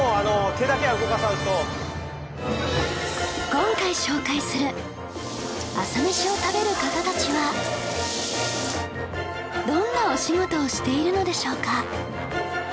今回紹介する朝メシを食べる方たちはどんなお仕事をしているのでしょうか？